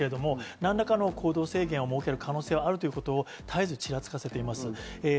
何らかの行動制限を設けることが必要だということは絶えずちらつかせています。